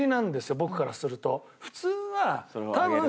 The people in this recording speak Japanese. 僕からすると。